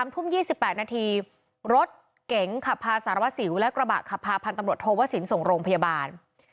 ทุ่ม๒๘นาทีรถเก๋งขับพาสารวสิวและกระบะขับพาพันธ์ตำรวจโทวสินส่งโรงพยาบาล